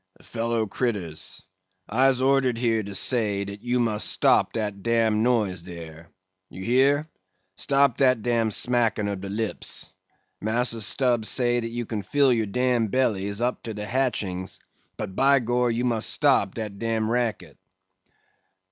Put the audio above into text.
"Fellow critters: I'se ordered here to say dat you must stop dat dam noise dare. You hear? Stop dat dam smackin' ob de lip! Massa Stubb say dat you can fill your dam bellies up to de hatchings, but by Gor! you must stop dat dam racket!"